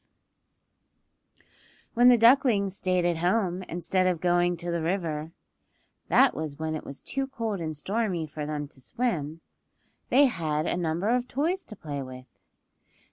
V WHEN the ducklings stayed at home instead of going to the river (that was when it was too cold and stormy for them to swim) they had a number of toys to play with.